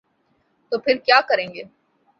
تو پھر کیا کریں گے؟